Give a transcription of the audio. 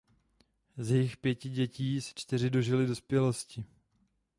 Z jejich pěti dětí se čtyři dožily dospělosti.